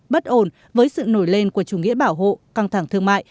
bất ổn với sự nổi lên của chủ nghĩa bảo hộ căng thẳng thương mại